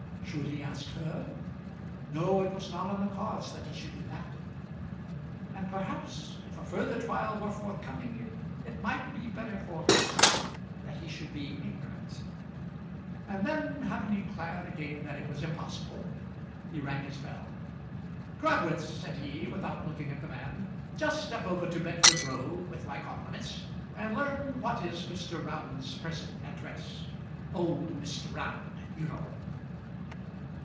Should he ask her? No; it was not on the cards that he should do that. And perhaps, if a further trial were forthcoming, it might be better for her sake that he should be ignorant. And then, having declared again that it was impossible, he rang his bell. "Crabwitz," said he, without looking at the man, "just step over to Bedford Row, with my compliments, and learn what is Mr. Round's present address; old Mr. Round, you know."